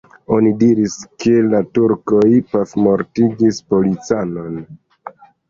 Oni diris, ke la turkoj pafmortigis policanon.